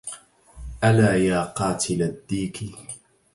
ألا يا قاتل الديك